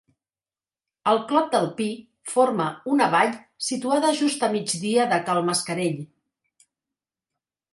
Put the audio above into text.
El Clot del Pi forma una vall situada just a migdia de Cal Mascarell.